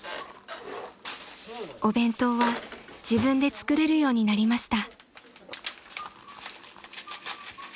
［お弁当は自分で作れるようになりました］